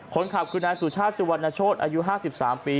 คนขับคือนายสุชาติสุวรรณโชธอายุ๕๓ปี